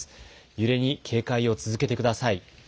揺れに警戒を続けてください。